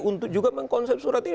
untuk juga mengkonsep surat ini